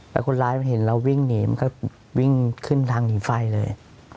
แล้วคนร้ายเห็นเราวิ่งหนีมันก็วิ่งขึ้นทางหนีไฟเลย